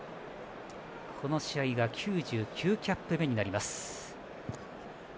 この試合が９９キャップ目になります。